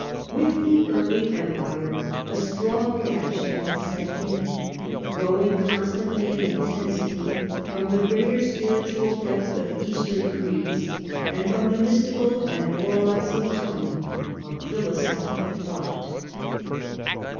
With the early Empire a strong Paganism reaction had set in, growing constantly in died hard. intensity from the greater spiritual depth of Eastern creeds and from the mystical and moralizing tone of philosophic thought.